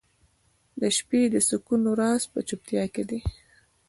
• د شپې د سکون راز په چوپتیا کې دی.